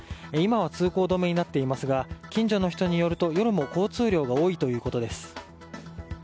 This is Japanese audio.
今は通行止めになっていますが近所の人によると夜も交通量が多いということです。